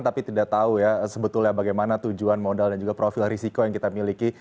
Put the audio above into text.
tapi tidak tahu ya sebetulnya bagaimana tujuan modal dan juga profil risiko yang kita miliki